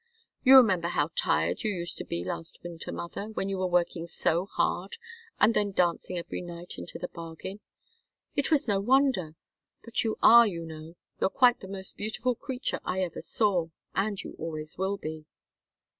You remember how tired you used to be last winter, mother, when you were working so hard and then dancing every night, into the bargain. It was no wonder! But you are, you know you're quite the most beautiful creature I ever saw, and you always will be."